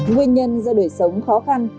nguyên nhân do đời sống khó khăn